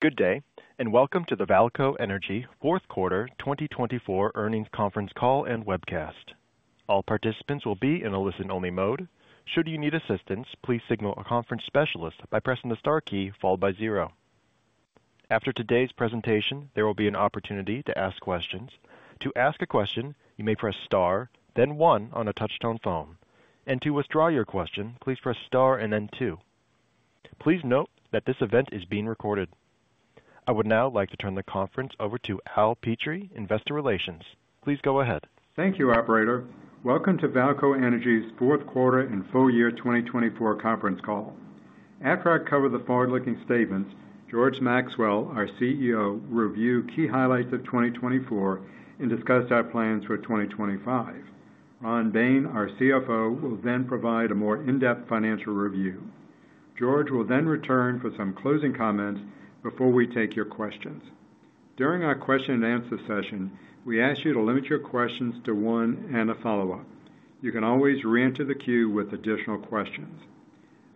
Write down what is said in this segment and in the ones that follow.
Good day, and welcome to the VAALCO Energy Fourth Quarter 2024 Earnings Conference call and webcast. All participants will be in a listen-only mode. Should you need assistance, please signal a conference specialist by pressing the star key followed by zero. After today's presentation, there will be an opportunity to ask questions. To ask a question, you may press star, then one on a touch-tone phone. To withdraw your question, please press star and then two. Please note that this event is being recorded. I would now like to turn the conference over to Al Petrie, Investor Relations. Please go ahead. Thank you, Operator. Welcome to VAALCO Energy's Fourth Quarter and Full Year 2024 Conference Call. After I cover the forward-looking statements, George Maxwell, our CEO, will review key highlights of 2024 and discuss our plans for 2025. Ron Bain, our CFO, will then provide a more in-depth financial review. George will then return for some closing comments before we take your questions. During our question-and-answer session, we ask you to limit your questions to one and a follow-up. You can always re-enter the queue with additional questions.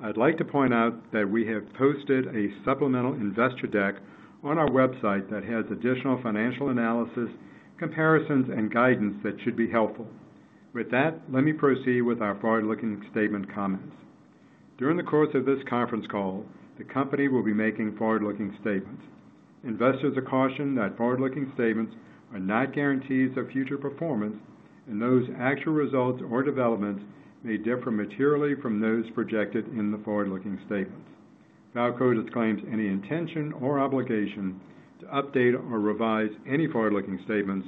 I'd like to point out that we have posted a supplemental investor deck on our website that has additional financial analysis, comparisons, and guidance that should be helpful. With that, let me proceed with our forward-looking statement comments. During the course of this conference call, the company will be making forward-looking statements. Investors are cautioned that forward-looking statements are not guarantees of future performance, and those actual results or developments may differ materially from those projected in the forward-looking statements. VAALCO does not claim any intention or obligation to update or revise any forward-looking statements,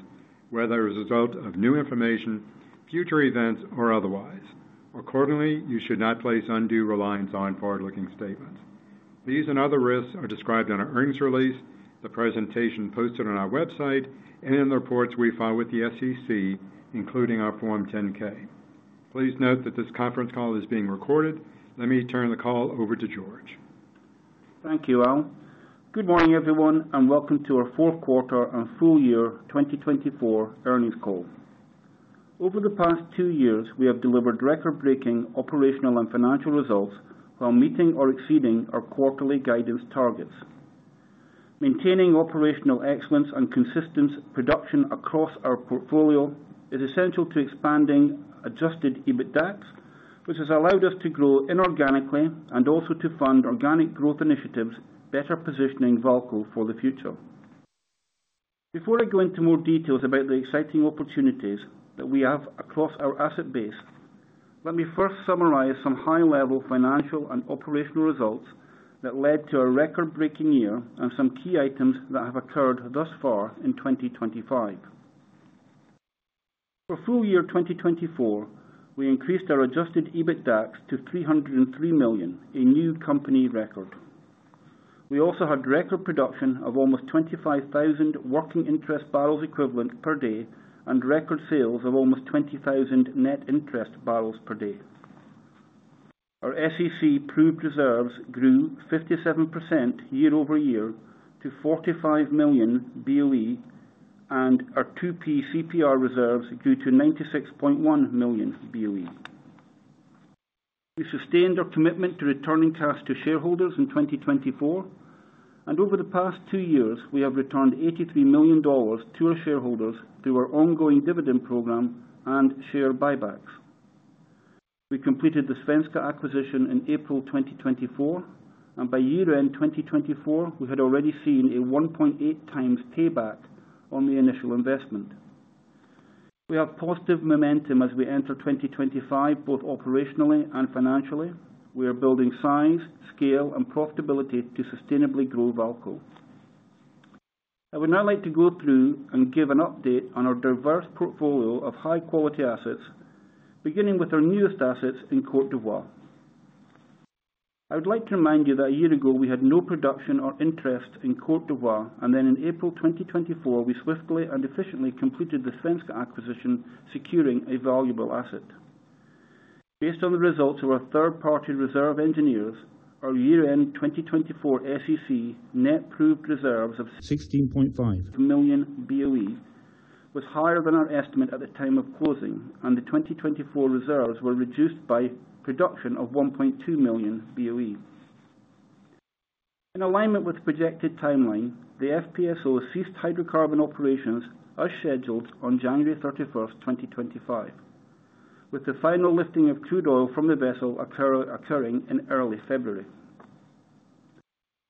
whether as a result of new information, future events, or otherwise. Accordingly, you should not place undue reliance on forward-looking statements. These and other risks are described in our earnings release, the presentation posted on our website, and in the reports we file with the SEC, including our Form 10-K. Please note that this conference call is being recorded. Let me turn the call over to George. Thank you, Al. Good morning, everyone, and welcome to our Fourth Quarter and Full Year 2024 Earnings Call. Over the past two years, we have delivered record-breaking operational and financial results while meeting or exceeding our quarterly guidance targets. Maintaining operational excellence and consistent production across our portfolio is essential to expanding adjusted EBITDA, which has allowed us to grow inorganically and also to fund organic growth initiatives better positioning VAALCO for the future. Before I go into more details about the exciting opportunities that we have across our asset base, let me first summarize some high-level financial and operational results that led to a record-breaking year and some key items that have occurred thus far in 2025. For Full Year 2024, we increased our adjusted EBITDA to $303 million, a new company record. We also had record production of almost 25,000 working interest barrels equivalent per day and record sales of almost 20,000 net interest barrels per day. Our SEC proved reserves grew 57% year over year to $45 million BOE, and our 2P CPR reserves grew to $96.1 million BOE. We sustained our commitment to returning cash to shareholders in 2024, and over the past two years, we have returned $83 million to our shareholders through our ongoing dividend program and share buybacks. We completed the Svenska acquisition in April 2024, and by year-end 2024, we had already seen a 1.8 times payback on the initial investment. We have positive momentum as we enter 2025, both operationally and financially. We are building size, scale, and profitability to sustainably grow VAALCO. I would now like to go through and give an update on our diverse portfolio of high-quality assets, beginning with our newest assets in Côte d'Ivoire. I would like to remind you that a year ago, we had no production or interest in Côte d'Ivoire, and then in April 2024, we swiftly and efficiently completed the Svenska acquisition, securing a valuable asset. Based on the results of our third-party reserve engineers, our year-end 2024 SEC net proved reserves of $16.5 million BOE was higher than our estimate at the time of closing, and the 2024 reserves were reduced by production of $1.2 million BOE. In alignment with the projected timeline, the FPSO ceased hydrocarbon operations as scheduled on January 31, 2025, with the final lifting of crude oil from the vessel occurring in early February.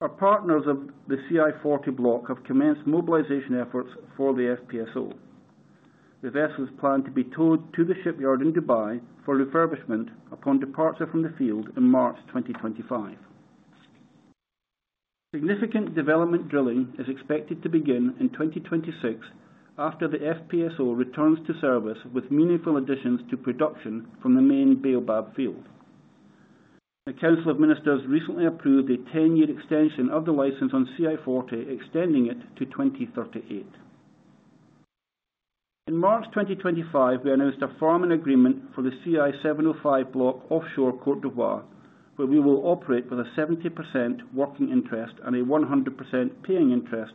Our partners of the CI-40 block have commenced mobilization efforts for the FPSO. The vessel is planned to be towed to the shipyard in Dubai for refurbishment upon departure from the field in March 2025. Significant development drilling is expected to begin in 2026 after the FPSO returns to service with meaningful additions to production from the main Baobab field. The Council of Ministers recently approved a 10-year extension of the license on CI-40, extending it to 2038. In March 2025, we announced a farm-in agreement for the CI-705 block offshore Côte d'Ivoire, where we will operate with a 70% working interest and a 100% paying interest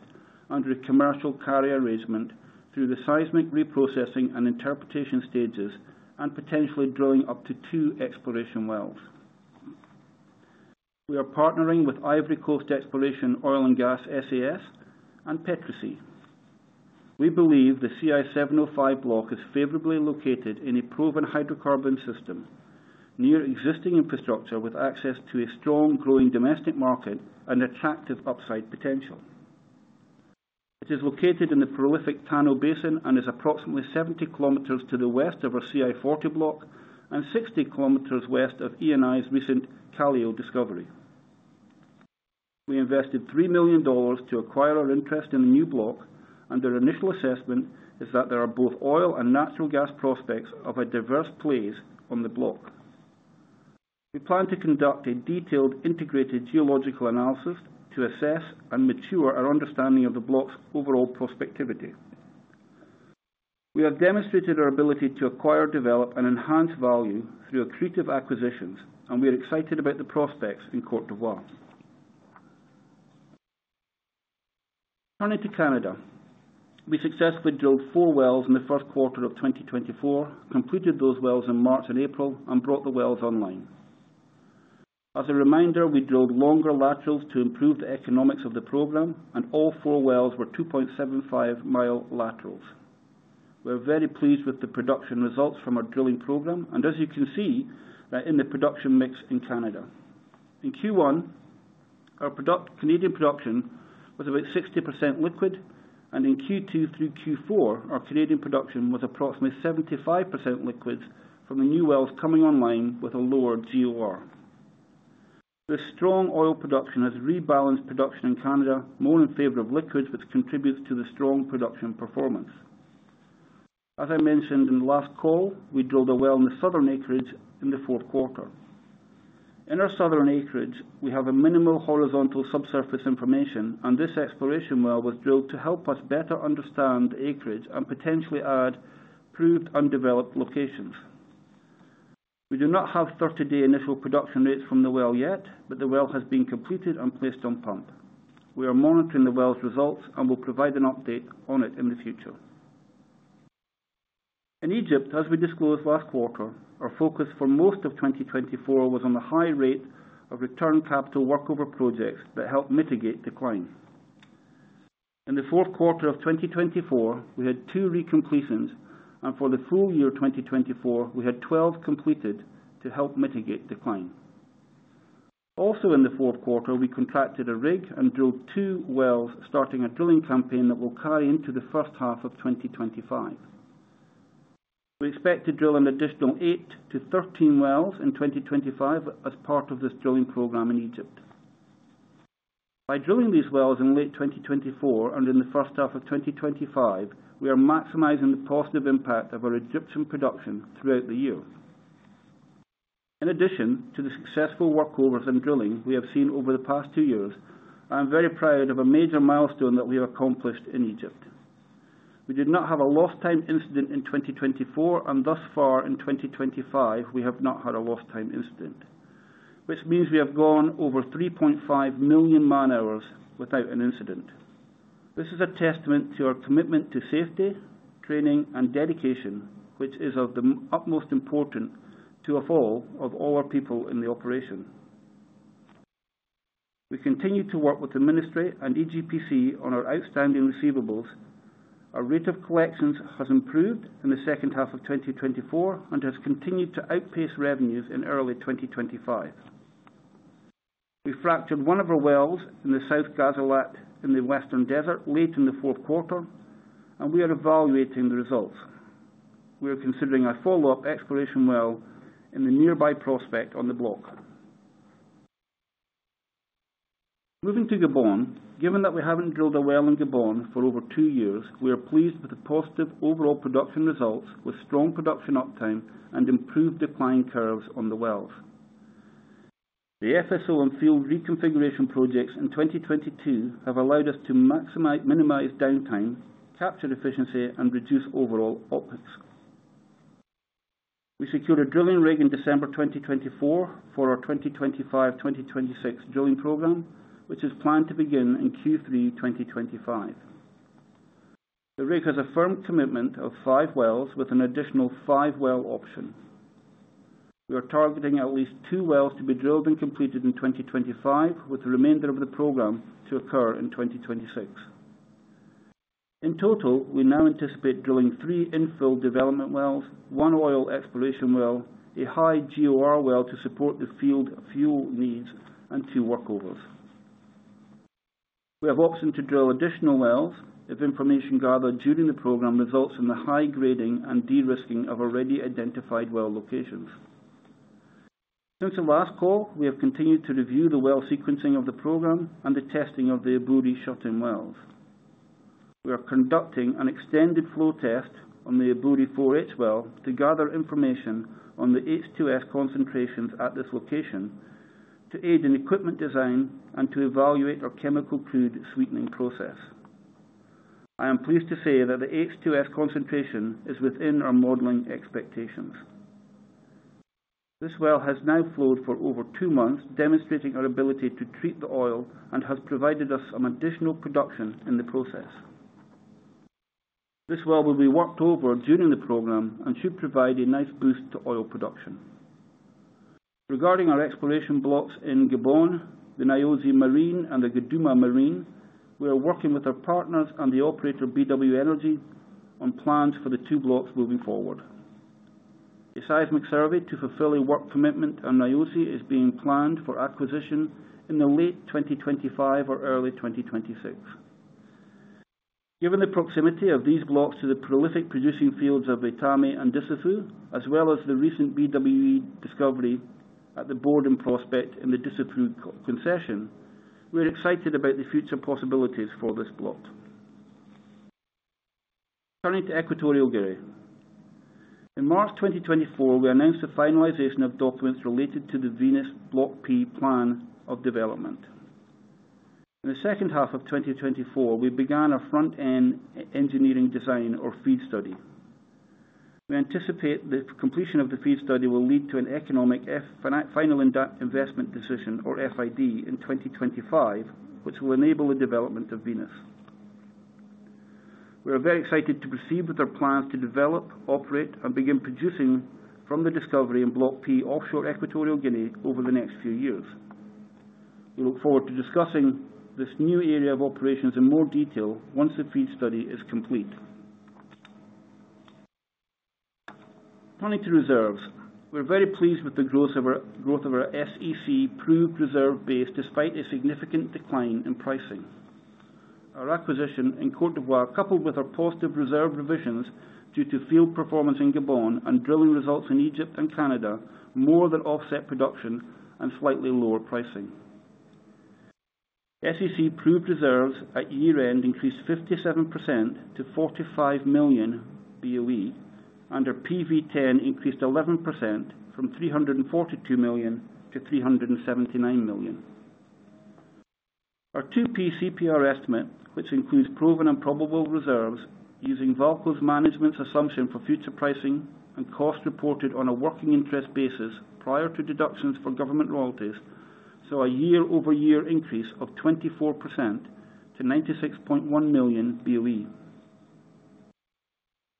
under a commercial carrier arrangement through the seismic reprocessing and interpretation stages and potentially drilling up to two exploration wells. We are partnering with Ivory Coast Exploration Oil and Gas SAS and PetroSea. We believe the CI-705 block is favorably located in a proven hydrocarbon system, near existing infrastructure with access to a strong growing domestic market and attractive upside potential. It is located in the prolific Tano Basin and is approximately 70 km to the west of our CI-40 block and 60 km west of ENI's recent Calao discovery. We invested $3 million to acquire our interest in the new block, and our initial assessment is that there are both oil and natural gas prospects of a diverse place on the block. We plan to conduct a detailed integrated geological analysis to assess and mature our understanding of the block's overall prospectivity. We have demonstrated our ability to acquire, develop, and enhance value through accretive acquisitions, and we are excited about the prospects in Côte d'Ivoire. Turning to Canada, we successfully drilled four wells in the first quarter of 2024, completed those wells in March and April, and brought the wells online. As a reminder, we drilled longer laterals to improve the economics of the program, and all four wells were 2.75 mi laterals. We are very pleased with the production results from our drilling program, and as you can see, they're in the production mix in Canada. In Q1, our Canadian production was about 60% liquid, and in Q2 through Q4, our Canadian production was approximately 75% liquid from the new wells coming online with a lowered GOR. The strong oil production has rebalanced production in Canada more in favor of liquid, which contributes to the strong production performance. As I mentioned in the last call, we drilled a well in the southern acreage in the fourth quarter. In our southern acreage, we have minimal horizontal subsurface information, and this exploration well was drilled to help us better understand the acreage and potentially add proved undeveloped locations. We do not have 30-day initial production rates from the well yet, but the well has been completed and placed on pump. We are monitoring the well's results and will provide an update on it in the future. In Egypt, as we disclosed last quarter, our focus for most of 2024 was on the high rate of return capital workover projects that help mitigate decline. In the fourth quarter of 2024, we had two re-completions, and for the full year 2024, we had 12 completed to help mitigate decline. Also, in the fourth quarter, we contracted a rig and drilled two wells, starting a drilling campaign that will carry into the first half of 2025. We expect to drill an additional eight to 13 wells in 2025 as part of this drilling program in Egypt. By drilling these wells in late 2024 and in the first half of 2025, we are maximizing the positive impact of our Egyptian production throughout the year. In addition to the successful workovers and drilling we have seen over the past two years, I am very proud of a major milestone that we have accomplished in Egypt. We did not have a lost-time incident in 2024, and thus far in 2025, we have not had a lost-time incident, which means we have gone over 3.5 million man-hours without an incident. This is a testament to our commitment to safety, training, and dedication, which is of the utmost importance to us all, of all our people in the operation. We continue to work with the Ministry and EGPC on our outstanding receivables. Our rate of collections has improved in the second half of 2024 and has continued to outpace revenues in early 2025. We fractured one of our wells in the South Ghazalat in the Western Desert late in the fourth quarter, and we are evaluating the results. We are considering a follow-up exploration well in the nearby prospect on the block. Moving to Gabon, given that we haven't drilled a well in Gabon for over two years, we are pleased with the positive overall production results, with strong production uptime and improved decline curves on the wells. The FSO and field reconfiguration projects in 2022 have allowed us to minimize downtime, capture efficiency, and reduce overall OpEx. We secured a drilling rig in December 2024 for our 2025-2026 drilling program, which is planned to begin in Q3 2025. The rig has a firm commitment of five wells with an additional five well option. We are targeting at least two wells to be drilled and completed in 2025, with the remainder of the program to occur in 2026. In total, we now anticipate drilling three infill development wells, one oil exploration well, a high GOR well to support the field fuel needs, and two workovers. We have option to drill additional wells if information gathered during the program results in the high grading and de-risking of already identified well locations. Since the last call, we have continued to review the well sequencing of the program and the testing of the Ebouri shutting wells. We are conducting an extended flow test on the Ebouri 4H well to gather information on the H2S concentrations at this location, to aid in equipment design, and to evaluate our chemical crude sweetening process. I am pleased to say that the H2S concentration is within our modeling expectations. This well has now flowed for over two months, demonstrating our ability to treat the oil and has provided us some additional production in the process. This well will be worked over during the program and should provide a nice boost to oil production. Regarding our exploration blocks in Gabon, the Nyosi Marine and the Geduma Marine, we are working with our partners and the operator BW Energy on plans for the two blocks moving forward. A seismic survey to fulfill a work commitment on Nyosi is being planned for acquisition in late 2025 or early 2026. Given the proximity of these blocks to the prolific producing fields of Etame and Dussafu, as well as the recent BW Energy discovery at the Bourdon Prospect in the Dussafu concession, we are excited about the future possibilities for this block. Turning to Equatorial Guinea. In March 2024, we announced the finalization of documents related to the Venus Block P plan of development. In the second half of 2024, we began our front-end engineering design or feed study. We anticipate the completion of the feed study will lead to an economic final investment decision, or FID, in 2025, which will enable the development of Venus. We are very excited to proceed with our plans to develop, operate, and begin producing from the discovery in Block P offshore Equatorial Guinea over the next few years. We look forward to discussing this new area of operations in more detail once the FEED study is complete. Turning to reserves, we're very pleased with the growth of our SEC proved reserve base despite a significant decline in pricing. Our acquisition in Côte d'Ivoire, coupled with our positive reserve revisions due to field performance in Gabon and drilling results in Egypt and Canada, more than offset production and slightly lower pricing. SEC proved reserves at year-end increased 57% to 45 million BOE, and our PV10 increased 11% from $342 million to $379 million. Our 2P CPR estimate, which includes proven and probable reserves using VAALCO's management's assumption for future pricing and cost reported on a working interest basis prior to deductions for government royalties, saw a year-over-year increase of 24% to 96.1 million BOE.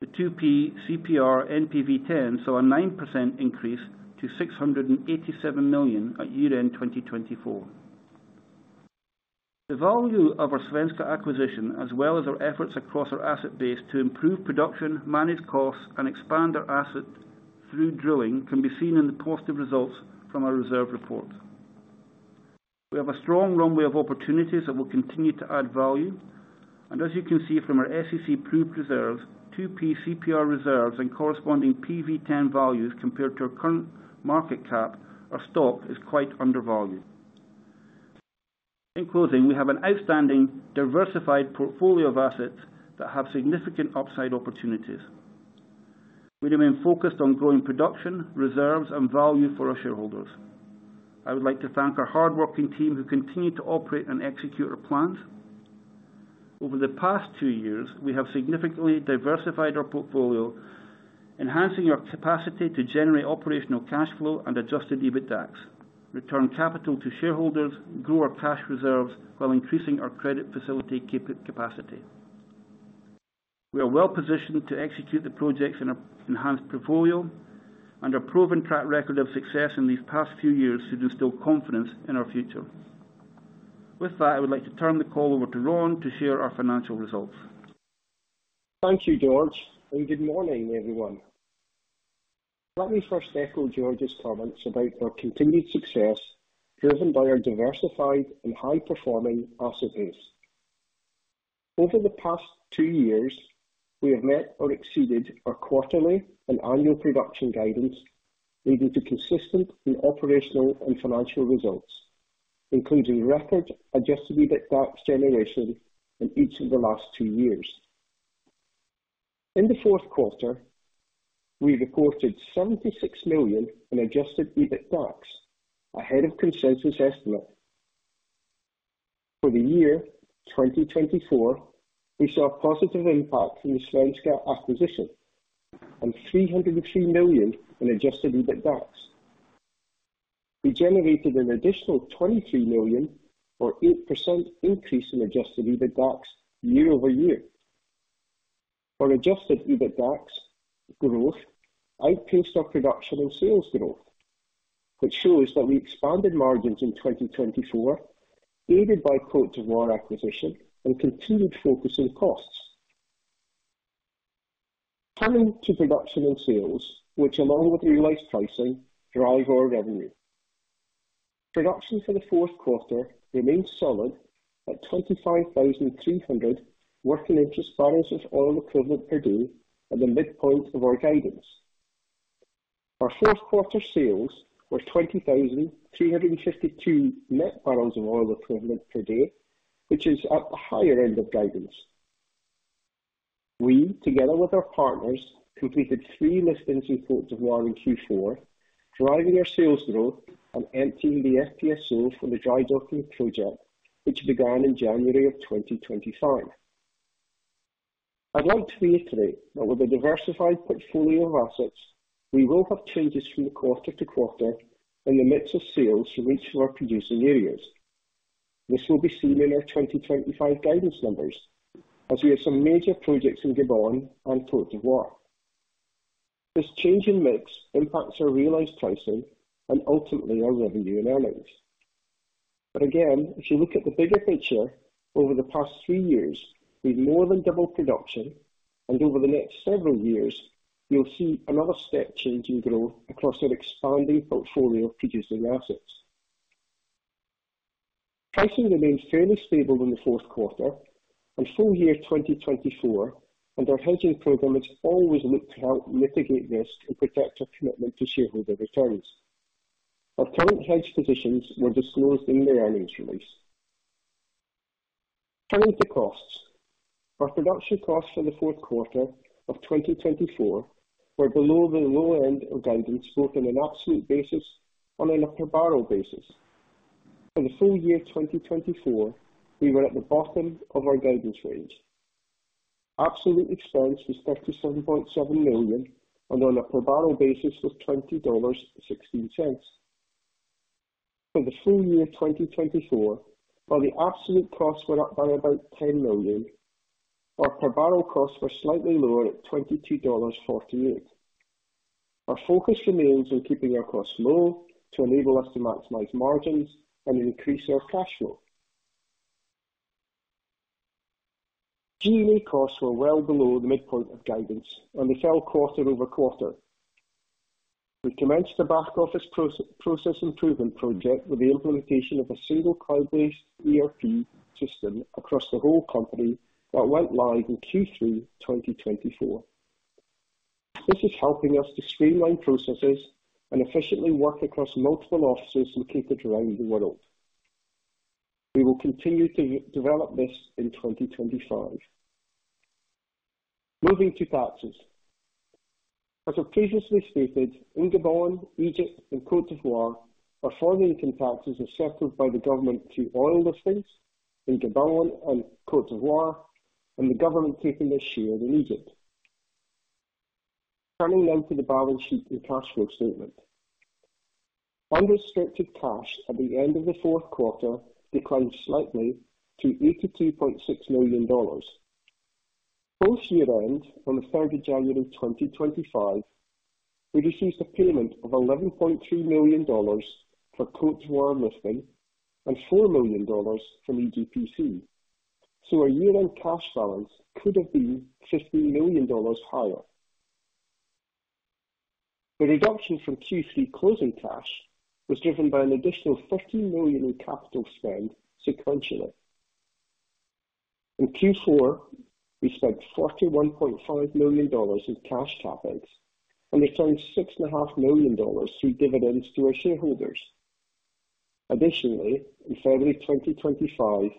The 2P CPR NPV10 saw a 9% increase to $687 million at year-end 2024. The value of our Svenska acquisition, as well as our efforts across our asset base to improve production, manage costs, and expand our asset through drilling, can be seen in the positive results from our reserve report. We have a strong runway of opportunities that will continue to add value, and as you can see from our SEC proved reserves, 2P CPR reserves and corresponding PV10 values compared to our current market cap, our stock is quite undervalued. In closing, we have an outstanding diversified portfolio of assets that have significant upside opportunities. We remain focused on growing production, reserves, and value for our shareholders. I would like to thank our hardworking team who continue to operate and execute our plans. Over the past two years, we have significantly diversified our portfolio, enhancing our capacity to generate operational cash flow and adjusted EBITDA, return capital to shareholders, grow our cash reserves while increasing our credit facility capacity. We are well positioned to execute the projects in our enhanced portfolio, and our proven track record of success in these past few years should instill confidence in our future. With that, I would like to turn the call over to Ron to share our financial results. Thank you, George, and good morning, everyone. Let me first echo George's comments about our continued success driven by our diversified and high-performing asset base. Over the past two years, we have met or exceeded our quarterly and annual production guidance, leading to consistent and operational and financial results, including record adjusted EBITDA generation in each of the last two years. In the fourth quarter, we reported $76 million in adjusted EBITDA ahead of consensus estimate. For the year 2024, we saw a positive impact from the Svenska acquisition and $303 million in adjusted EBITDA. We generated an additional $23 million, or 8% increase in adjusted EBITDA year over year. Our adjusted EBITDA growth outpaced our production and sales growth, which shows that we expanded margins in 2024, aided by Côte d'Ivoire acquisition and continued focus on costs. Turning to production and sales, which, along with realized pricing, drive our revenue. Production for the fourth quarter remained solid at 25,300 working interest barrels of oil equivalent per day, at the midpoint of our guidance. Our fourth quarter sales were 20,352 net barrels of oil equivalent per day, which is at the higher end of guidance. We, together with our partners, completed three liftings in Côte d'Ivoire in Q4, driving our sales growth and emptying the FPSO for the dry docking project, which began in January of 2025. I'd like to reiterate that with a diversified portfolio of assets, we will have changes from quarter to quarter in the mix of sales for each of our producing areas. This will be seen in our 2025 guidance numbers, as we have some major projects in Gabon and Côte d'Ivoire. This change in mix impacts our realized pricing and ultimately our revenue and earnings. If you look at the bigger picture over the past three years, we've more than doubled production, and over the next several years, you'll see another step-changing growth across our expanding portfolio of producing assets. Pricing remained fairly stable in the fourth quarter and full year 2024, and our hedging program has always looked to help mitigate risk and protect our commitment to shareholder returns. Our current hedge positions were disclosed in the earnings release. Turning to costs, our production costs for the fourth quarter of 2024 were below the low end of guidance, both on an absolute basis and on a per barrel basis. For the full year 2024, we were at the bottom of our guidance range. Absolute expense was $37.7 million, and on a per barrel basis was $20.16. For the full year 2024, while the absolute costs were up by about $10 million, our per barrel costs were slightly lower at $22.48. Our focus remains on keeping our costs low to enable us to maximize margins and increase our cash flow. G&E costs were well below the midpoint of guidance, and they fell quarter over quarter. We commenced a back-office process improvement project with the implementation of a single cloud-based ERP system across the whole company that went live in Q3 2024. This is helping us to streamline processes and efficiently work across multiple offices located around the world. We will continue to develop this in 2025. Moving to taxes. As I've previously stated, in Gabon, Egypt, and Côte d'Ivoire, our foreign income taxes are settled by the government through oil liftings in Gabon and Côte d'Ivoire, and the government taking a share in Egypt. Turning now to the balance sheet and cash flow statement. Unrestricted cash at the end of the fourth quarter declined slightly to $82.6 million. Post year-end, on the 3rd of January 2025, we received a payment of $11.3 million for Côte d'Ivoire listing and $4 million from EGPC, so our year-end cash balance could have been $15 million higher. The reduction from Q3 closing cash was driven by an additional $13 million in capital spend sequentially. In Q4, we spent $41.5 million in cash CapEx, and returned $6.5 million through dividends to our shareholders. Additionally, in February 2025,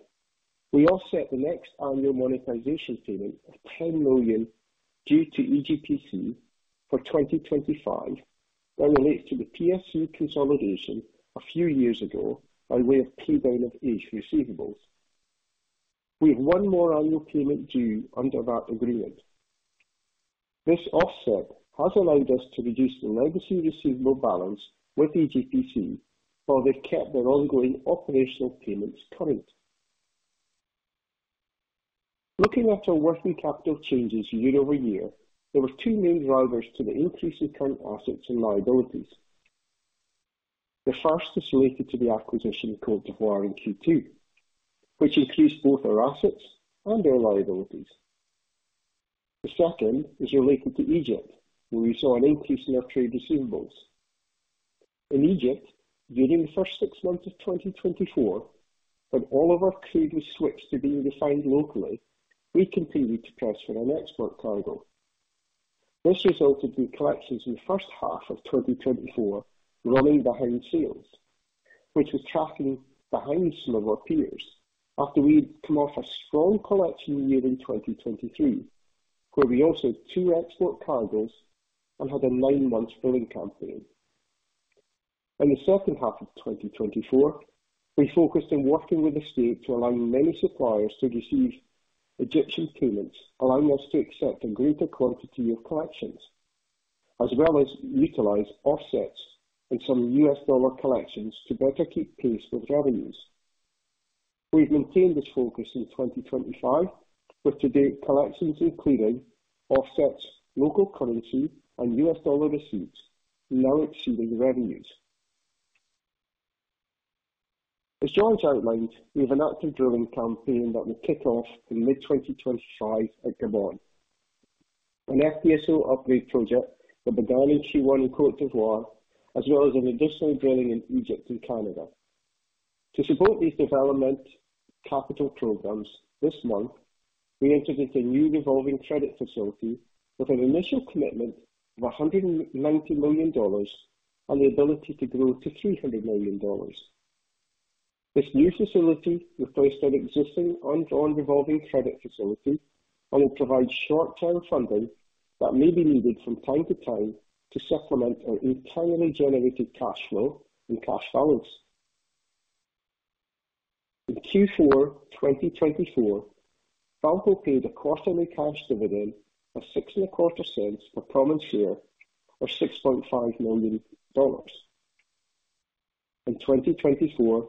we offset the next annual monetization payment of $10 million due to EGPC for 2025 that relates to the PSU consolidation a few years ago by way of paydown of H receivables. We have one more annual payment due under that agreement. This offset has allowed us to reduce the legacy receivable balance with EGPC, while they've kept their ongoing operational payments current. Looking at our working capital changes year over year, there were two main drivers to the increase in current assets and liabilities. The first is related to the acquisition of Côte d'Ivoire in Q2, which increased both our assets and our liabilities. The second is related to Egypt, where we saw an increase in our trade receivables. In Egypt, during the first six months of 2024, when all of our crude was switched to being refined locally, we continued to transfer and export cargo. This resulted in collections in the first half of 2024 running behind sales, which was tracking behind some of our peers after we had come off a strong collection year in 2023, where we also had two export cargos and had a nine-month filling campaign. In the second half of 2024, we focused on working with the state to allow many suppliers to receive Egyptian payments, allowing us to accept a greater quantity of collections, as well as utilize offsets and some U.S. dollar collections to better keep pace with revenues. We've maintained this focus in 2025, with today's collections including offsets, local currency, and US dollar receipts now exceeding revenues. As George outlined, we have an active drilling campaign that will kick off in mid-2025 at Gabon. An FPSO upgrade project for Baobab in Q1 in Côte d'Ivoire, as well as an additional drilling in Egypt and Canada. To support these development capital programs this month, we entered into a new revolving credit facility with an initial commitment of $190 million and the ability to grow to $300 million. This new facility replaced our existing undrawn revolving credit facility, and it provides short-term funding that may be needed from time to time to supplement our internally generated cash flow and cash balance. In Q4 2024, VAALCO paid a quarterly cash dividend of $0.0625 per common share, or $6.5 million. In 2024,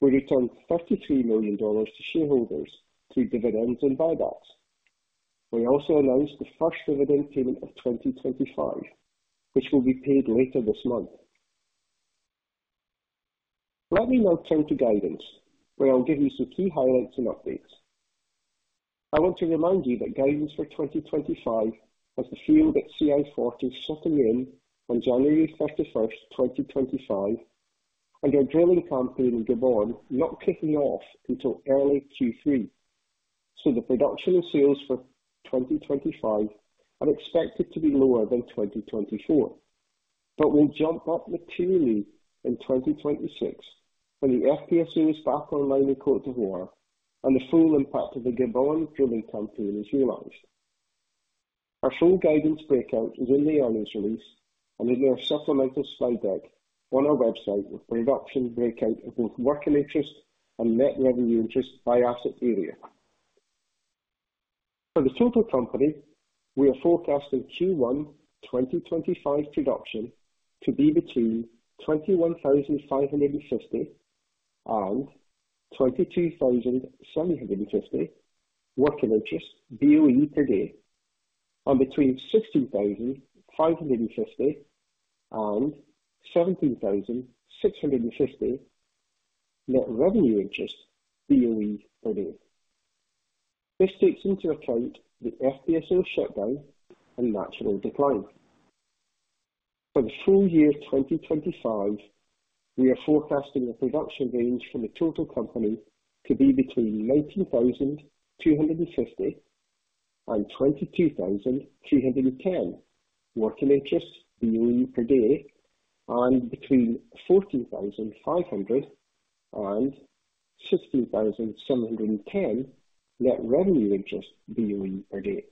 we returned $33 million to shareholders through dividends and buybacks. We also announced the first dividend payment of 2025, which will be paid later this month. Let me now turn to guidance, where I'll give you some key highlights and updates. I want to remind you that guidance for 2025 was the field at CI-40 shutting in on January 31, 2025, and our drilling campaign in Gabon not kicking off until early Q3, so the production and sales for 2025 are expected to be lower than 2024. We'll jump up materially in 2026 when the FPSO is back online in Côte d'Ivoire and the full impact of the Gabon drilling campaign is realized. Our full guidance breakout is in the earnings release and in our supplemental slide deck on our website with the reduction breakout of both working interest and net revenue interest by asset area. For the total company, we are forecasting Q1 2025 production to be between 21,550-22,750 working interest BOE per day, and between 16,550-17,650 net revenue interest BOE per day. This takes into account the FPSO shutdown and natural decline. For the full year 2025, we are forecasting the production range for the total company to be between 19,250-22,310 working interest BOE per day, and between 14,500-16,710 net revenue interest BOE per day.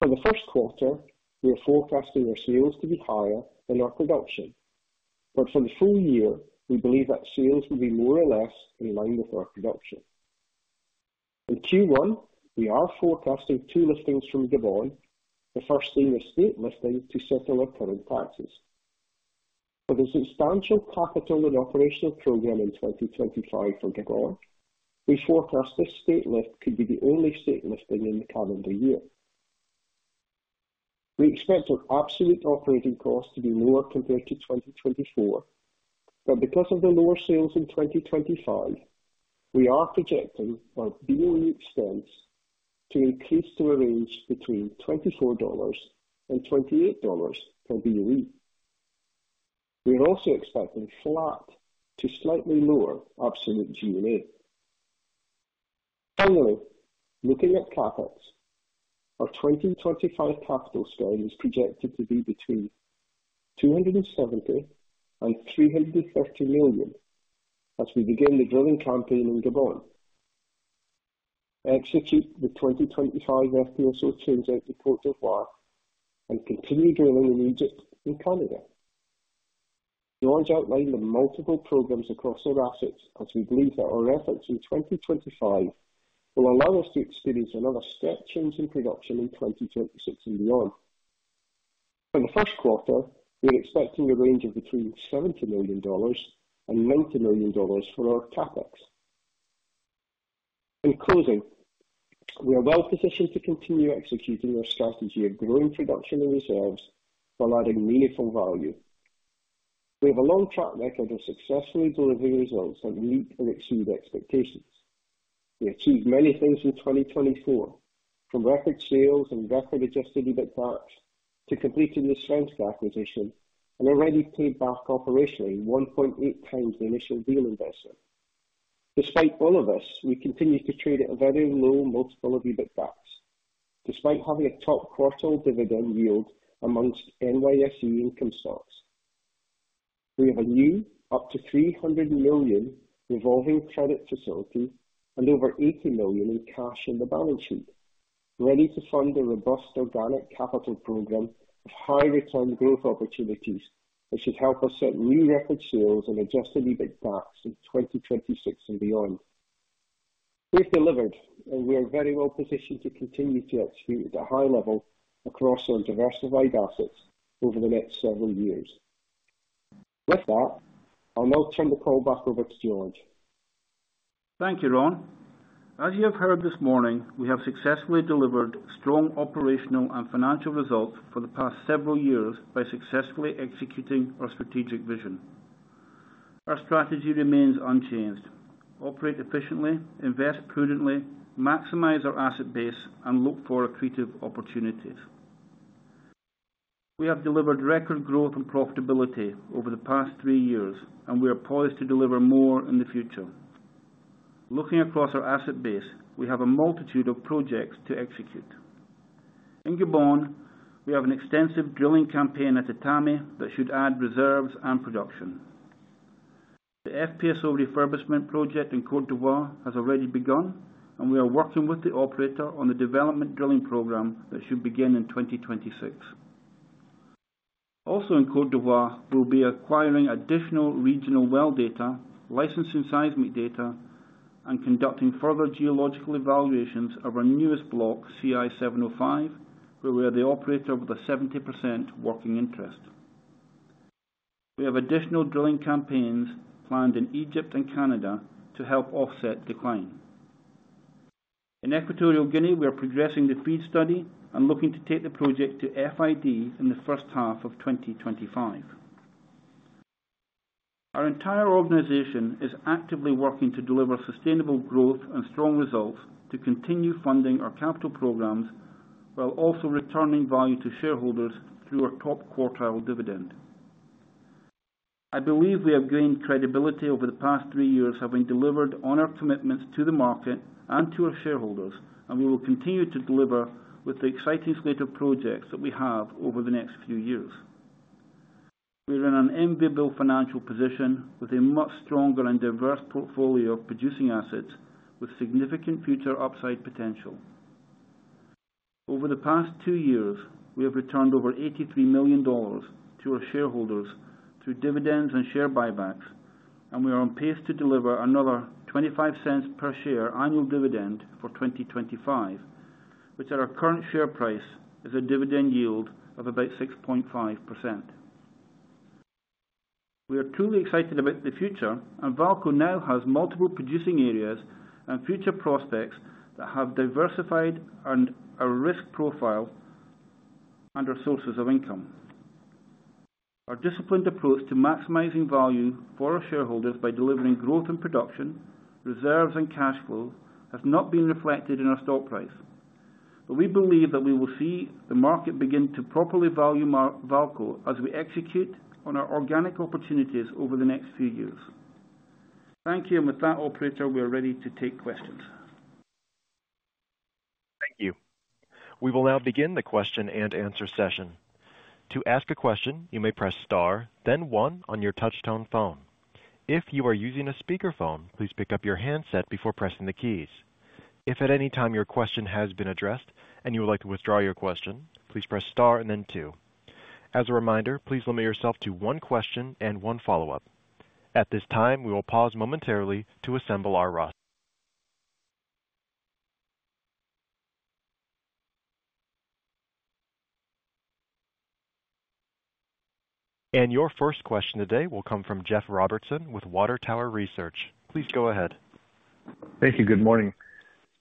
For the first quarter, we are forecasting our sales to be higher than our production, but for the full year, we believe that sales will be more or less in line with our production. In Q1, we are forecasting two liftings from Gabon, the first being a state lifting to settle our current taxes. With a substantial capital and operational program in 2025 for Gabon, we forecast this state lifting could be the only state lifting in the calendar year. We expect our absolute operating cost to be lower compared to 2024, but because of the lower sales in 2025, we are projecting our BOE expense to increase to a range between $24-$28 per BOE. We are also expecting flat to slightly lower absolute G&A. Finally, looking at CapEx, our 2025 capital spend is projected to be between $270 million and $330 million as we begin the drilling campaign in Gabon. Execute the 2025 FPSO turns out to Côte d'Ivoire and continue drilling in Egypt and Canada. George outlined the multiple programs across our assets, as we believe that our efforts in 2025 will allow us to experience another step change in production in 2026 and beyond. For the first quarter, we're expecting a range of between $70 million and $90 million for our CapEx. In closing, we are well positioned to continue executing our strategy of growing production and reserves while adding meaningful value. We have a long track record of successfully delivering results that meet and exceed expectations. We achieved many things in 2024, from record sales and record adjusted EBITDA to completing the strength acquisition and already paid back operationally 1.8 times the initial deal investment. Despite all of this, we continue to trade at a very low multiple of EBITDA despite having a top quartile dividend yield amongst NYSE income stocks. We have a new up to $300 million revolving credit facility and over $80 million in cash on the balance sheet, ready to fund a robust organic capital program of high return growth opportunities that should help us set new record sales and adjusted EBITDA in 2026 and beyond. We've delivered, and we are very well positioned to continue to execute at a high level across our diversified assets over the next several years. With that, I'll now turn the call back over to George. Thank you, Ron. As you have heard this morning, we have successfully delivered strong operational and financial results for the past several years by successfully executing our strategic vision. Our strategy remains unchanged: operate efficiently, invest prudently, maximize our asset base, and look for accretive opportunities. We have delivered record growth and profitability over the past three years, and we are poised to deliver more in the future. Looking across our asset base, we have a multitude of projects to execute. In Gabon, we have an extensive drilling campaign at Etame that should add reserves and production. The FPSO refurbishment project in Côte d'Ivoire has already begun, and we are working with the operator on the development drilling program that should begin in 2026. Also in Côte d'Ivoire, we'll be acquiring additional regional well data, licensing seismic data, and conducting further geological evaluations of our newest block, CI-705, where we are the operator with a 70% working interest. We have additional drilling campaigns planned in Egypt and Canada to help offset decline. In Equatorial Guinea, we are progressing the feed study and looking to take the project to FID in the first half of 2025. Our entire organization is actively working to deliver sustainable growth and strong results to continue funding our capital programs while also returning value to shareholders through our top quartile dividend. I believe we have gained credibility over the past three years, having delivered on our commitments to the market and to our shareholders, and we will continue to deliver with the exciting slate of projects that we have over the next few years. We are in an enviable financial position with a much stronger and diverse portfolio of producing assets with significant future upside potential. Over the past two years, we have returned over $83 million to our shareholders through dividends and share buybacks, and we are on pace to deliver another $0.25 per share annual dividend for 2025, which at our current share price is a dividend yield of about 6.5%. We are truly excited about the future, and VAALCO now has multiple producing areas and future prospects that have diversified and a risk profile and are sources of income. Our disciplined approach to maximizing value for our shareholders by delivering growth and production, reserves, and cash flow has not been reflected in our stock price, but we believe that we will see the market begin to properly value VAALCO as we execute on our organic opportunities over the next few years. Thank you, and with that, Operator, we are ready to take questions. Thank you. We will now begin the question and answer session. To ask a question, you may press star, then one on your touchstone phone. If you are using a speakerphone, please pick up your handset before pressing the keys. If at any time your question has been addressed and you would like to withdraw your question, please press star and then two. As a reminder, please limit yourself to one question and one follow-up. At this time, we will pause momentarily to assemble our roster. Your first question today will come from Jeff Robertson with Water Tower Research. Please go ahead. Thank you. Good morning.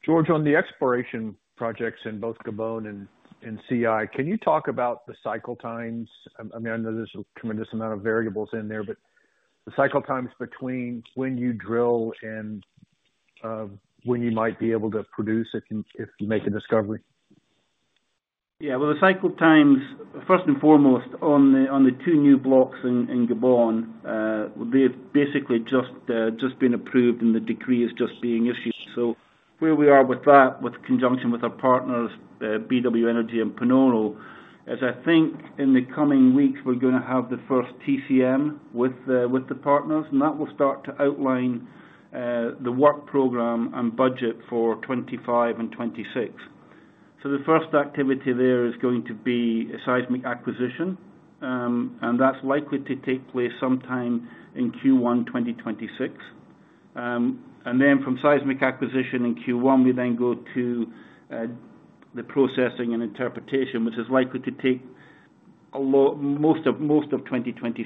George, on the exploration projects in both Gabon and CI, can you talk about the cycle times? I mean, I know there's a tremendous amount of variables in there, but the cycle times between when you drill and when you might be able to produce if you make a discovery? Yeah. The cycle times, first and foremost, on the two new blocks in Gabon, they've basically just been approved and the decree is just being issued. Where we are with that, with conjunction with our partners, BW Energy and Panoro, is I think in the coming weeks we're going to have the first TCM with the partners, and that will start to outline the work program and budget for 2025 and 2026. The first activity there is going to be a seismic acquisition, and that's likely to take place sometime in Q1 2026. From seismic acquisition in Q1, we then go to the processing and interpretation, which is likely to take most of 2026.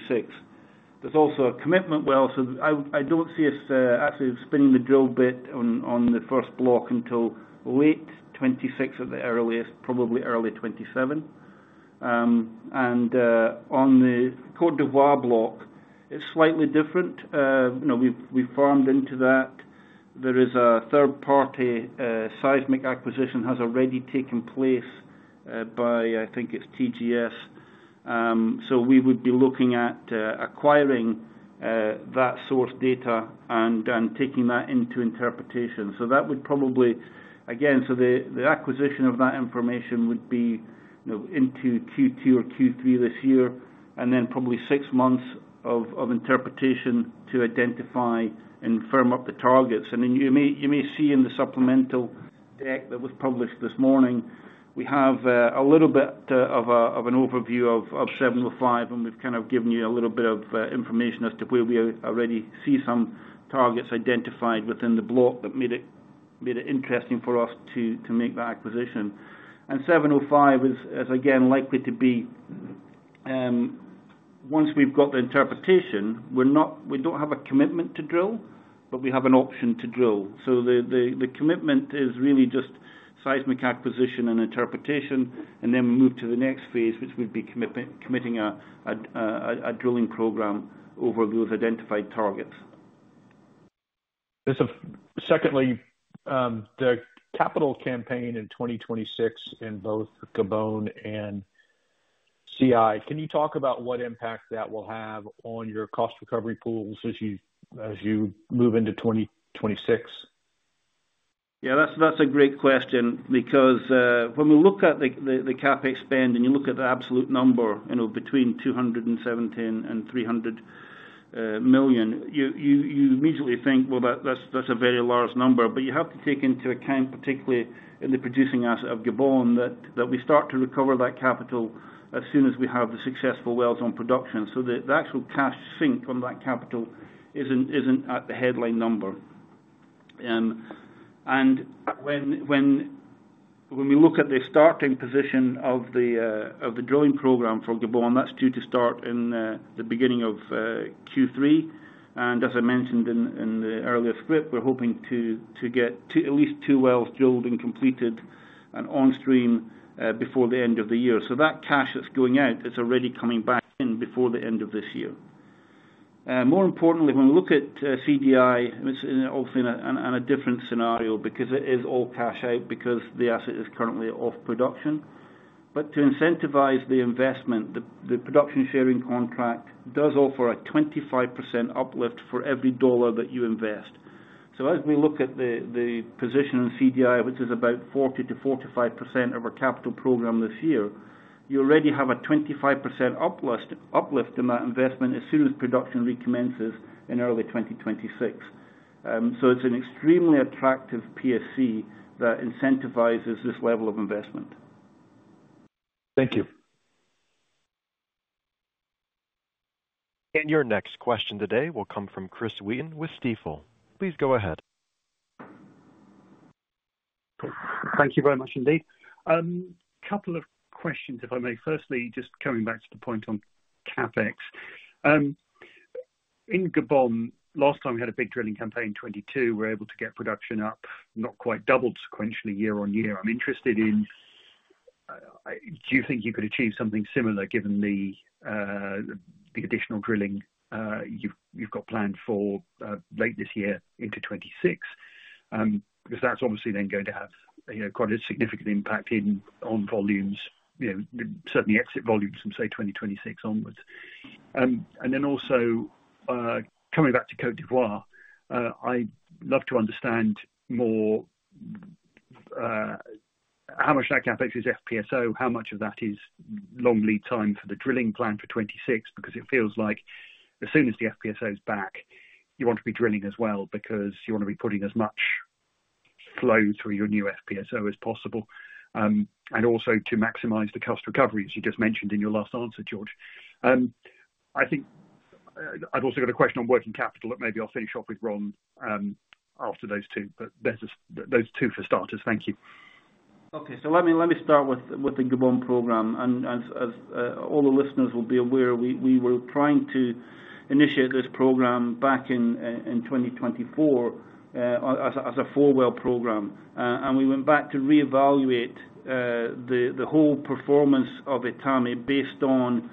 There is also a commitment well, so I do not see us actually spinning the drill bit on the first block until late 2026 at the earliest, probably early 2027. On the Côte d'Ivoire block, it is slightly different. We have farmed into that. There is a third-party seismic acquisition that has already taken place by, I think it is TGS. We would be looking at acquiring that source data and taking that into interpretation. The acquisition of that information would be into Q2 or Q3 this year, and then probably six months of interpretation to identify and firm up the targets. You may see in the supplemental deck that was published this morning, we have a little bit of an overview of 705, and we've kind of given you a little bit of information as to where we already see some targets identified within the block that made it interesting for us to make that acquisition. 705 is, again, likely to be once we've got the interpretation, we don't have a commitment to drill, but we have an option to drill. The commitment is really just seismic acquisition and interpretation, and then we move to the next phase, which would be committing a drilling program over those identified targets. Secondly, the capital campaign in 2026 in both Gabon and CI, can you talk about what impact that will have on your cost recovery pools as you move into 2026? Yeah, that's a great question because when we look at the CapEx spend and you look at the absolute number between $217 million and $300 million, you immediately think, well, that's a very large number. You have to take into account, particularly in the producing asset of Gabon, that we start to recover that capital as soon as we have the successful wells on production. The actual cash sink on that capital isn't at the headline number. When we look at the starting position of the drilling program for Gabon, that's due to start in the beginning of Q3. As I mentioned in the earlier script, we're hoping to get at least two wells drilled and completed and on stream before the end of the year. That cash that's going out, it's already coming back in before the end of this year. More importantly, when we look at CDI, it's obviously a different scenario because it is all cash out because the asset is currently off production. To incentivize the investment, the production sharing contract does offer a 25% uplift for every dollar that you invest. As we look at the position in CDI, which is about 40-45% of our capital program this year, you already have a 25% uplift in that investment as soon as production recommences in early 2026. It is an extremely attractive PSC that incentivizes this level of investment. Thank you. Your next question today will come from Chris Wheaton with Stifel. Please go ahead. Thank you very much indeed. A couple of questions, if I may. Firstly, just coming back to the point on CapEx. In Gabon, last time we had a big drilling campaign in 2022, we were able to get production up not quite doubled sequentially year on year. I'm interested in, do you think you could achieve something similar given the additional drilling you've got planned for late this year into 2026? Because that's obviously then going to have quite a significant impact on volumes, certainly exit volumes from, say, 2026 onwards. Also, coming back to Côte d'Ivoire, I'd love to understand more how much that CapEx is FPSO, how much of that is long lead time for the drilling plan for 2026, because it feels like as soon as the FPSO is back, you want to be drilling as well because you want to be putting as much flow through your new FPSO as possible. Also, to maximize the cost recovery, as you just mentioned in your last answer, George. I think I've also got a question on working capital that maybe I'll finish off with Ron after those two, but those two for starters. Thank you. Okay. Let me start with the Gabon program. As all the listeners will be aware, we were trying to initiate this program back in 2024 as a four-well program. We went back to reevaluate the whole performance of Etame based on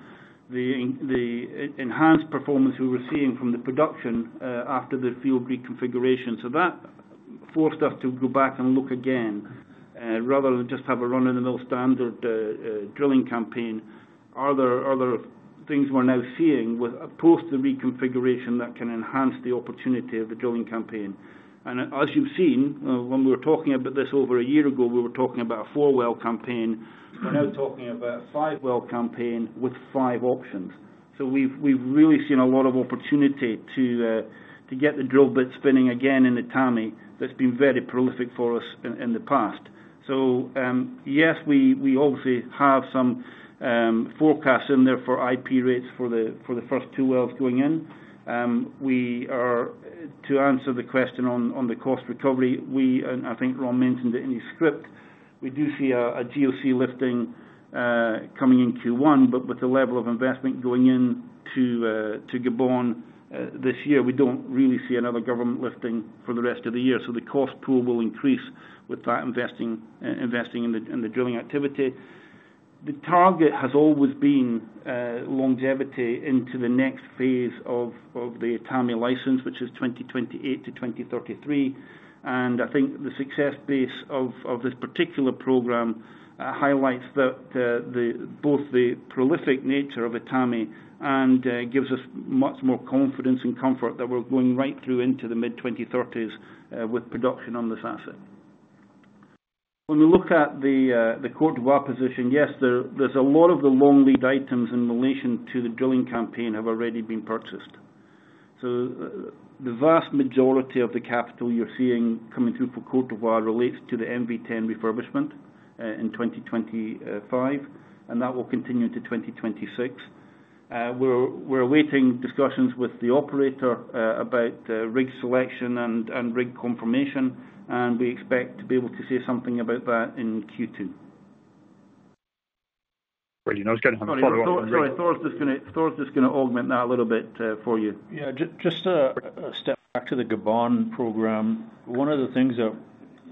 the enhanced performance we were seeing from the production after the field reconfiguration. That forced us to go back and look again rather than just have a run-of-the-mill standard drilling campaign. Are there things we're now seeing post the reconfiguration that can enhance the opportunity of the drilling campaign? As you have seen, when we were talking about this over a year ago, we were talking about a four-well campaign. We are now talking about a five-well campaign with five options. We have really seen a lot of opportunity to get the drill bit spinning again in Etame that has been very prolific for us in the past. Yes, we obviously have some forecasts in there for IP rates for the first two wells going in. To answer the question on the cost recovery, and I think Ron mentioned it in his script, we do see a GOC lifting coming in Q1, but with the level of investment going into Gabon this year, we do not really see another government lifting for the rest of the year. The cost pool will increase with that investing in the drilling activity. The target has always been longevity into the next phase of the Etame license, which is 2028-2033. I think the success base of this particular program highlights both the prolific nature of Etame and gives us much more confidence and comfort that we're going right through into the mid-2030s with production on this asset. When we look at the Côte d'Ivoire position, yes, a lot of the long lead items in relation to the drilling campaign have already been purchased. The vast majority of the capital you're seeing coming through for Côte d'Ivoire relates to the MV10 refurbishment in 2025, and that will continue into 2026. We're awaiting discussions with the operator about rig selection and rig confirmation, and we expect to be able to say something about that in Q2. Great. I was going to have a follow-up. Sorry. Thor is just going to augment that a little bit for you. Yeah. Just a step back to the Gabon program. One of the things that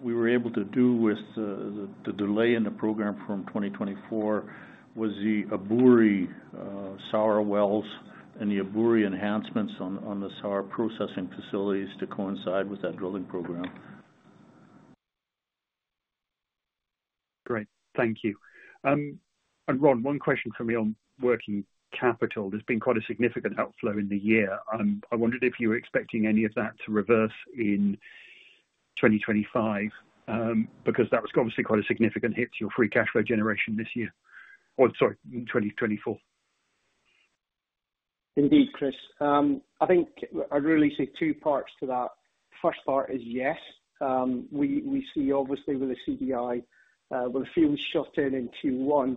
we were able to do with the delay in the program from 2024 was the Ebouri SAR wells and the Ebouri enhancements on the SAR processing facilities to coincide with that drilling program. Great. Thank you. Ron, one question from me on working capital. There has been quite a significant outflow in the year. I wondered if you were expecting any of that to reverse in 2025 because that was obviously quite a significant hit to your free cash flow generation this year. Sorry, in 2024. Indeed, Chris. I think I would really see two parts to that. First part is yes. We see, obviously, with the CDI, with the fields shut in in Q1,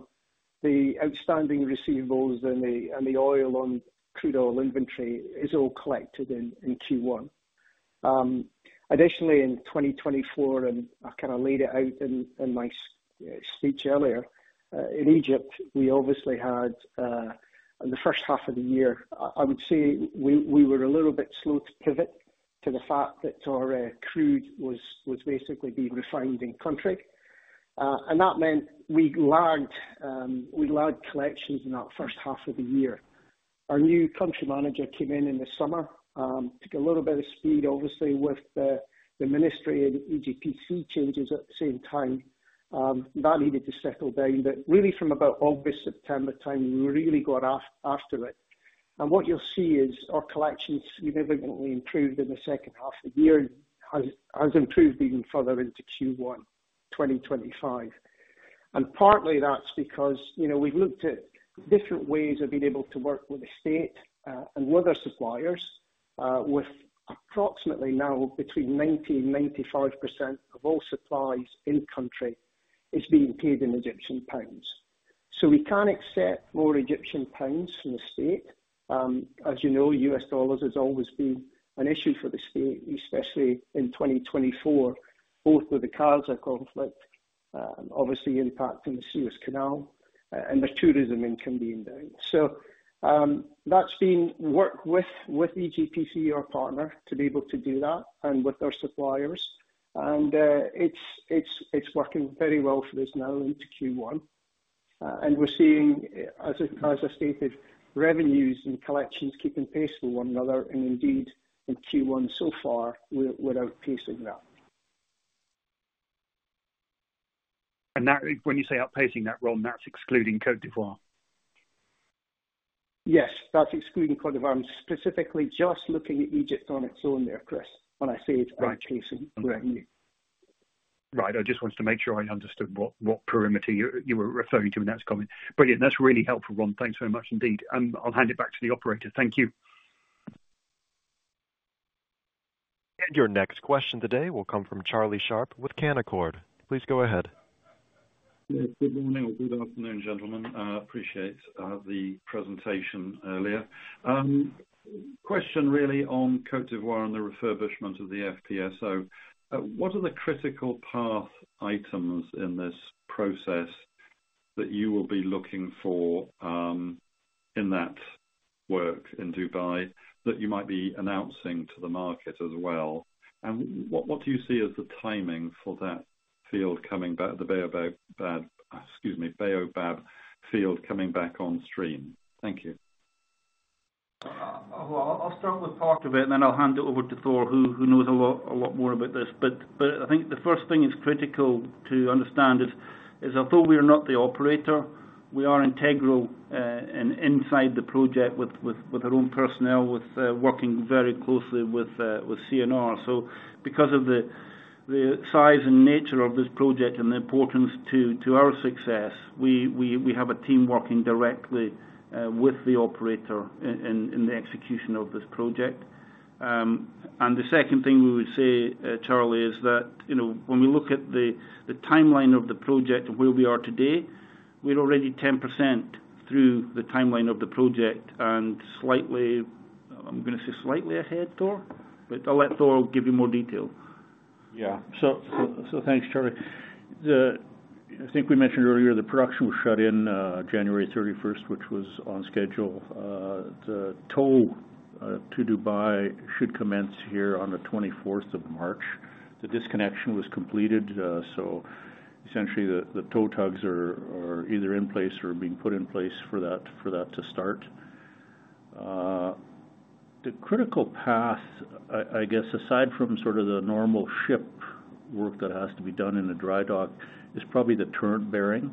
the outstanding receivables and the oil on crude oil inventory is all collected in Q1. Additionally, in 2024, and I kind of laid it out in my speech earlier, in Egypt, we obviously had, in the first half of the year, I would say we were a little bit slow to pivot to the fact that our crude was basically being refined in country. That meant we lagged collections in that first half of the year. Our new country manager came in in the summer, took a little bit of speed, obviously, with the ministry and EGPC changes at the same time. That needed to settle down. Really, from about August, September time, we really got after it. What you'll see is our collections significantly improved in the second half of the year and has improved even further into Q1 2025. Partly that's because we've looked at different ways of being able to work with the state and with other suppliers, with approximately now between 90% and 95% of all supplies in country being paid in Egyptian pounds. We can't accept more Egyptian pounds from the state. As you know, US dollars has always been an issue for the state, especially in 2024, both with the Gaza conflict, obviously impacting the Suez Canal, and the tourism income being down. That's been worked with EGPC, our partner, to be able to do that and with our suppliers. It's working very well for us now into Q1. We're seeing, as I stated, revenues and collections keeping pace with one another, and indeed, in Q1 so far, we're outpacing that. When you say outpacing that role, that's excluding Côte d'Ivoire? Yes, that's excluding Côte d'Ivoire. I'm specifically just looking at Egypt on its own there, Chris, when I say it's outpacing revenue. Right. I just wanted to make sure I understood what perimeter you were referring to in that comment. Brilliant. That's really helpful, Ron. Thanks very much indeed. I'll hand it back to the operator. Thank you. Your next question today will come from Charlie Sharp with Canaccord. Please go ahead. Good morning or good afternoon, gentlemen. I appreciate the presentation earlier. Question really on Côte d'Ivoire and the refurbishment of the FPSO. What are the critical path items in this process that you will be looking for in that work in Dubai that you might be announcing to the market as well? What do you see as the timing for that field coming back, the Baobab field coming back on stream? Thank you. I'll start with part of it, and then I'll hand it over to Thor, who knows a lot more about this. I think the first thing that's critical to understand is, although we are not the operator, we are integral inside the project with our own personnel, working very closely with CNR. Because of the size and nature of this project and the importance to our success, we have a team working directly with the operator in the execution of this project. The second thing we would say, Charlie, is that when we look at the timeline of the project and where we are today, we're already 10% through the timeline of the project and slightly, I'm going to say slightly ahead, Thor. I will let Thor give you more detail. Yeah. Thanks, Charlie. I think we mentioned earlier the production was shut in January 31, which was on schedule. The tow to Dubai should commence here on the 24th of March. The disconnection was completed. Essentially, the tow tugs are either in place or being put in place for that to start. The critical path, I guess, aside from sort of the normal ship work that has to be done in the dry dock, is probably the turret bearing.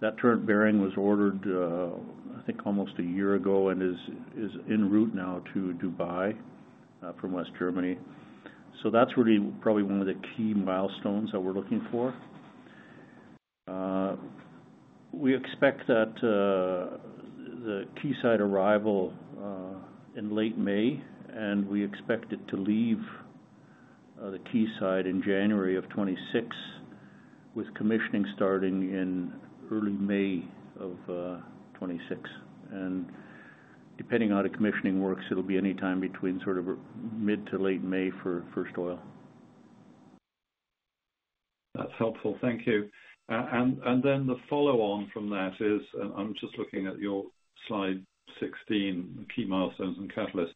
That turret bearing was ordered, I think, almost a year ago and is en route now to Dubai from West Germany. That is really probably one of the key milestones that we are looking for. We expect the quayside arrival in late May, and we expect it to leave the quayside in January of 2026, with commissioning starting in early May of 2026. Depending on how the commissioning works, it will be anytime between sort of mid to late May for first oil. That is helpful. Thank you. The follow-on from that is, and I am just looking at your slide 16, key milestones and catalysts,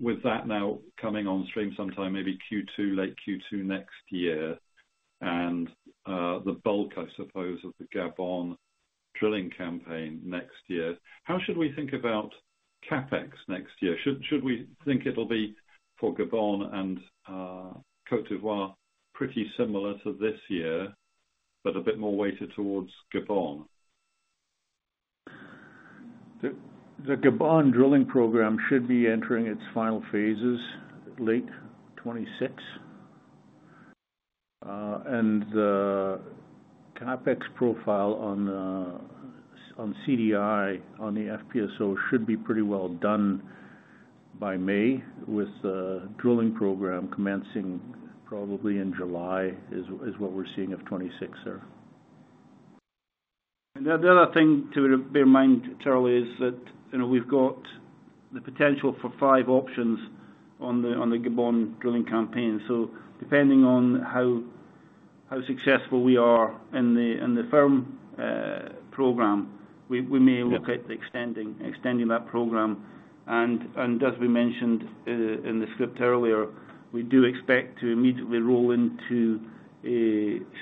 with that now coming on stream sometime maybe Q2, late Q2 next year, and the bulk, I suppose, of the Gabon drilling campaign next year. How should we think about CapEx next year? Should we think it'll be for Gabon and Côte d'Ivoire pretty similar to this year, but a bit more weighted towards Gabon? The Gabon drilling program should be entering its final phases late 2026. The CapEx profile on Côte d'Ivoire on the FPSO should be pretty well done by May, with the drilling program commencing probably in July is what we're seeing of 2026, sir. The other thing to bear in mind, Charlie, is that we've got the potential for five options on the Gabon drilling campaign. Depending on how successful we are in the firm program, we may look at extending that program. As we mentioned in the script earlier, we do expect to immediately roll into a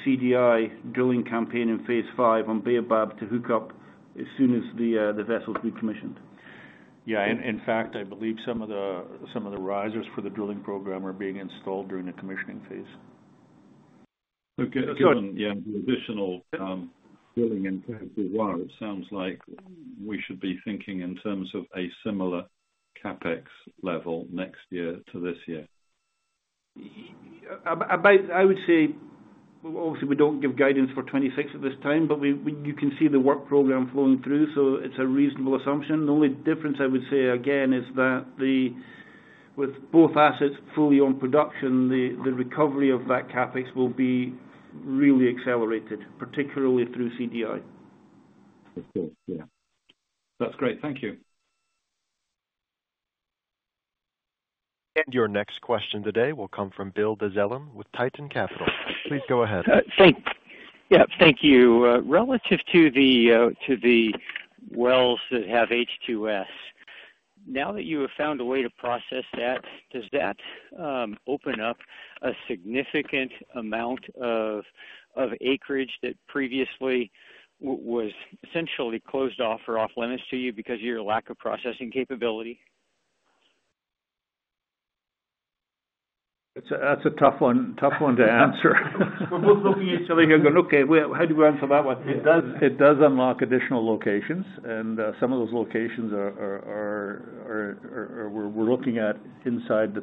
Côte d'Ivoire drilling campaign in phase five on Baobab to hook up as soon as the vessels be commissioned. Yeah. In fact, I believe some of the risers for the drilling program are being installed during the commissioning phase. Okay. The additional drilling in Côte d'Ivoire, it sounds like we should be thinking in terms of a similar CapEx level next year to this year. I would say, obviously, we do not give guidance for 2026 at this time, but you can see the work program flowing through, so it is a reasonable assumption. The only difference I would say, again, is that with both assets fully on production, the recovery of that CapEx will be really accelerated, particularly through CDI. That is great. Thank you. Your next question today will come from Bill Dezellem with Tieton Capital. Please go ahead. Yeah. Thank you. Relative to the wells that have H2S, now that you have found a way to process that, does that open up a significant amount of acreage that previously was essentially closed off or off-limits to you because of your lack of processing capability? That's a tough one to answer. We're both looking at each other here going, "Okay. How do we answer that one?" It does unlock additional locations, and some of those locations we're looking at inside the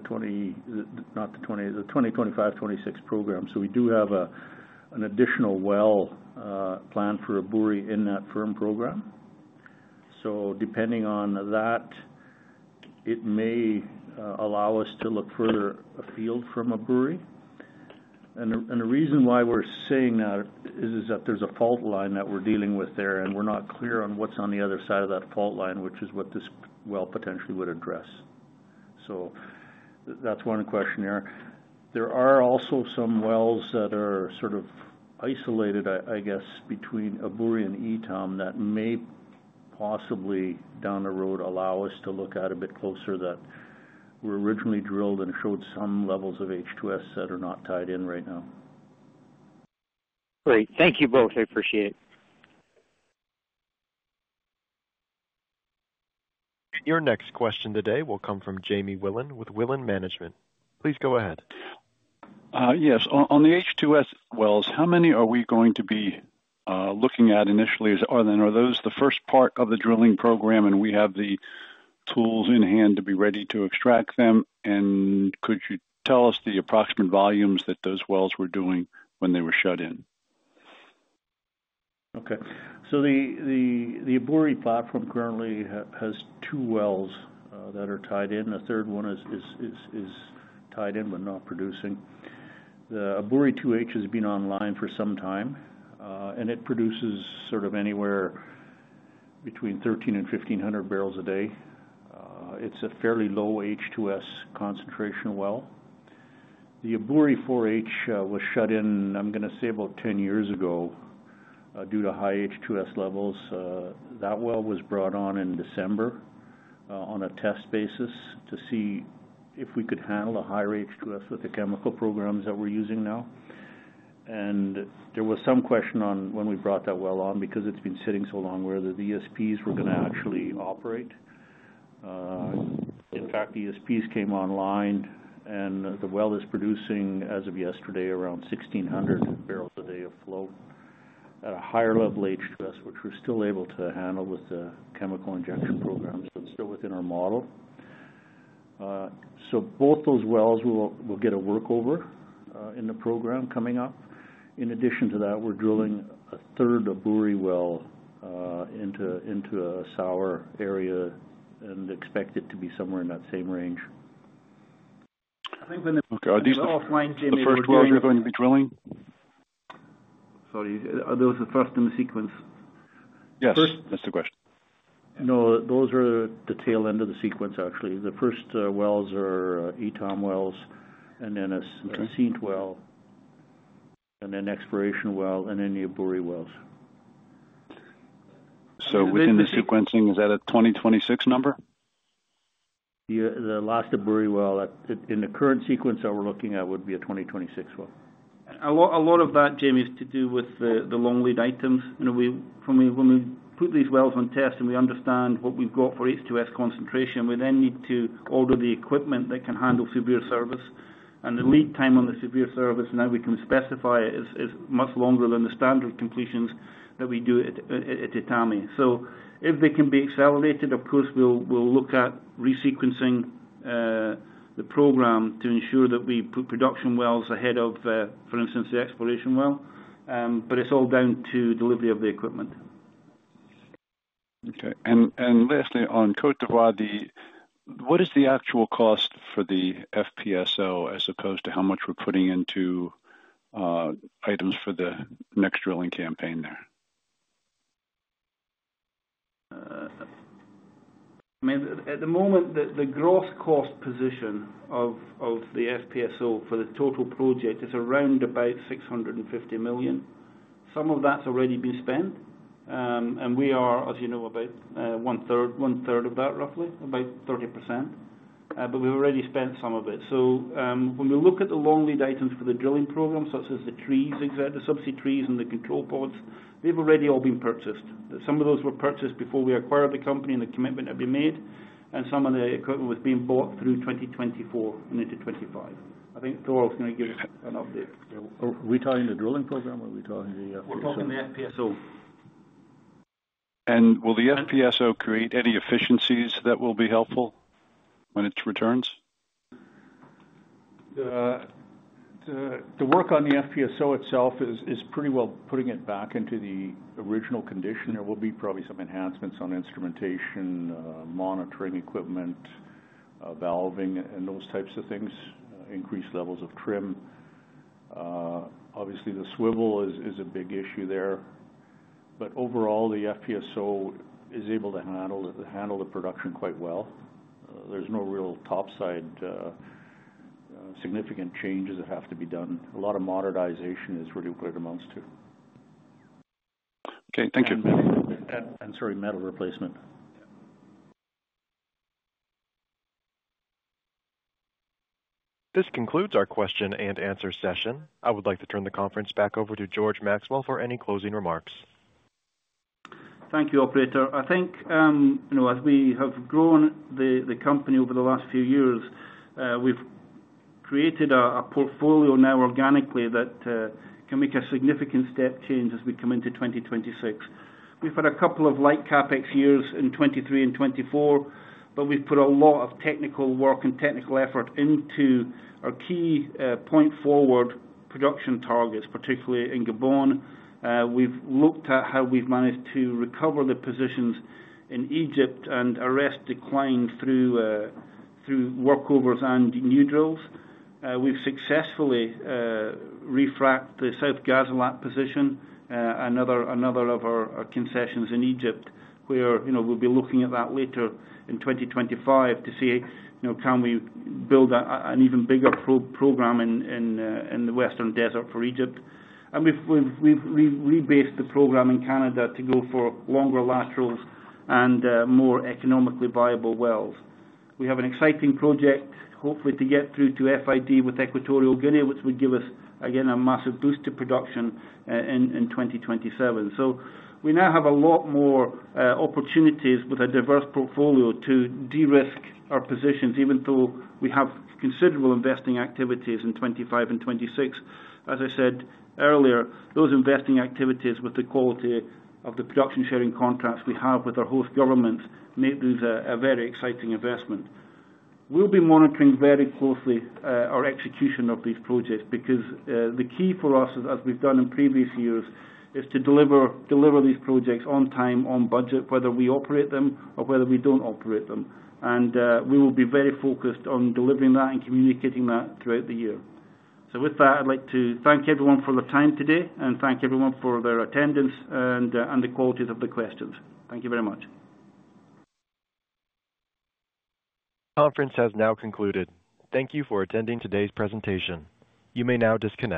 2025-2026 program. We do have an additional well planned for Ebouri in that firm program. Depending on that, it may allow us to look further afield from Ebouri. The reason why we're saying that is that there's a fault line that we're dealing with there, and we're not clear on what's on the other side of that fault line, which is what this well potentially would address. That is one question there. There are also some wells that are sort of isolated, I guess, between Ebouri and Etame that may possibly, down the road, allow us to look at a bit closer that were originally drilled and showed some levels of H2S that are not tied in right now. Great. Thank you both. I appreciate it. Your next question today will come from Jamie Willen with Willen Management. Please go ahead. Yes. On the H2S wells, how many are we going to be looking at initially? Are those the first part of the drilling program, and do we have the tools in hand to be ready to extract them? Could you tell us the approximate volumes that those wells were doing when they were shut in? Okay. The Ebouri platform currently has two wells that are tied in. The third one is tied in but not producing. The Ebouri 2H has been online for some time, and it produces sort of anywhere between 1,300-1,500 barrels a day. It's a fairly low H2S concentration well. The Ebouri 4H was shut in, I'm going to say, about 10 years ago due to high H2S levels. That well was brought on in December on a test basis to see if we could handle a higher H2S with the chemical programs that we're using now. There was some question on when we brought that well on because it's been sitting so long where the ESPs were going to actually operate. In fact, the ESPs came online, and the well is producing, as of yesterday, around 1,600 barrels a day of flow at a higher level H2S, which we're still able to handle with the chemical injection program. It's still within our model. Both those wells will get a workover in the program coming up. In addition to that, we're drilling a third Ebouri well into a sour area and expect it to be somewhere in that same range. I think when the first wells are going to be drilling? Sorry. Are those the first in the sequence? Yes. That's the question. No, those are the tail end of the sequence, actually. The first wells are Etame wells, and then a Cincinate well, and then an exploration well, and then the Ebouri wells. Within the sequencing, is that a 2026 number? The last Aburi well in the current sequence that we're looking at would be a 2026 well. A lot of that, Jamie, is to do with the long lead items. When we put these wells on test and we understand what we've got for H2S concentration, we then need to order the equipment that can handle severe service. The lead time on the severe service now we can specify is much longer than the standard completions that we do at Etame. If they can be accelerated, of course, we'll look at resequencing the program to ensure that we put production wells ahead of, for instance, the exploration well. It is all down to delivery of the equipment. Okay. Lastly, on Côte d'Ivoire, what is the actual cost for the FPSO as opposed to how much we're putting into items for the next drilling campaign there? At the moment, the gross cost position of the FPSO for the total project is around about $650 million. Some of that's already been spent. We are, as you know, about one-third of that, roughly, about 30%. We have already spent some of it. When we look at the long lead items for the drilling program, such as the trees, the subsea trees, and the control pods, they have already all been purchased. Some of those were purchased before we acquired the company and the commitment had been made. Some of the equipment was being bought through 2024 and into 2025. I think Thor was going to give us an update. Are we talking the drilling program or are we talking the FPSO? We are talking the FPSO. Will the FPSO create any efficiencies that will be helpful when it returns? The work on the FPSO itself is pretty well putting it back into the original condition. There will be probably some enhancements on instrumentation, monitoring equipment, valving, and those types of things, increased levels of trim. Obviously, the swivel is a big issue there. Overall, the FPSO is able to handle the production quite well. There are no real topside significant changes that have to be done. A lot of modernization is really what it amounts to. Okay. Thank you. Sorry, metal replacement. This concludes our question and answer session. I would like to turn the conference back over to George Maxwell for any closing remarks. Thank you, Operator. I think as we have grown the company over the last few years, we have created a portfolio now organically that can make a significant step change as we come into 2026. We've had a couple of light CapEx years in 2023 and 2024, but we've put a lot of technical work and technical effort into our key point-forward production targets, particularly in Gabon. We've looked at how we've managed to recover the positions in Egypt and arrest decline through workovers and new drills. We've successfully refract the South Ghazalat position, another of our concessions in Egypt, where we'll be looking at that later in 2025 to see can we build an even bigger program in the Western Desert for Egypt. We've rebased the program in Canada to go for longer laterals and more economically viable wells. We have an exciting project, hopefully, to get through to FID with Equatorial Guinea, which would give us, again, a massive boost to production in 2027. We now have a lot more opportunities with a diverse portfolio to de-risk our positions, even though we have considerable investing activities in 2025 and 2026. As I said earlier, those investing activities with the quality of the production sharing contracts we have with our host governments make these a very exciting investment. We'll be monitoring very closely our execution of these projects because the key for us, as we've done in previous years, is to deliver these projects on time, on budget, whether we operate them or whether we do not operate them. We will be very focused on delivering that and communicating that throughout the year. I would like to thank everyone for the time today and thank everyone for their attendance and the quality of the questions. Thank you very much. Conference has now concluded. Thank you for attending today's presentation. You may now disconnect.